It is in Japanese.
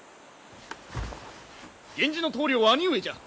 源氏の棟梁は兄上じゃ！